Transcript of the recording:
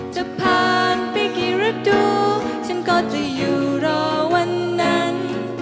จะผ่านไปกี่ฤดูฉันก็จะอยู่รอวันนั้น